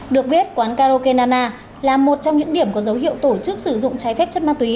được biết quán karaoke nana là một trong những điểm có dấu hiệu tổ chức sử dụng trái phép chất ma túy